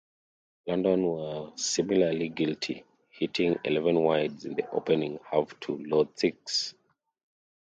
London were similarly guilty, hitting eleven wides in the opening half to Louth's six.